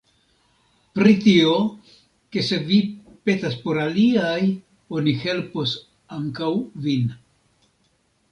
Pri tio, ke se vi petas por aliaj, oni helpos ankaŭ vin.